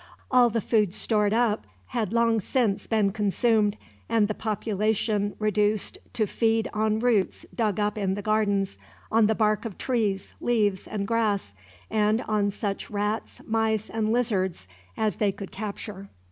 All the food stored up had long since been consumed, and the population reduced to feed on roots dug up in the gardens, on the bark of trees, leaves, and grass, and on such rats, mice, and lizards as they could capture.